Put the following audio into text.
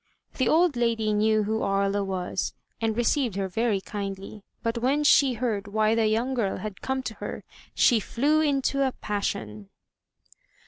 The old lady knew who Aria was, and received her very kindly; but when she heard why the yoimg girl had come to her, she flew into a passion.